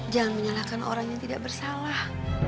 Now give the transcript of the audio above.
jangan menyalahkan orang yang tidak bersalah